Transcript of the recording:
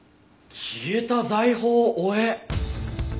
『消えた財宝を追え！』。